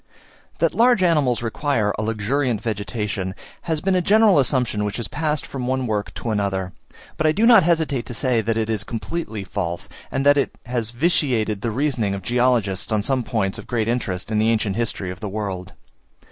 That large animals require a luxuriant vegetation, has been a general assumption which has passed from one work to another; but I do not hesitate to say that it is completely false, and that it has vitiated the reasoning of geologists on some points of great interest in the ancient history of the world.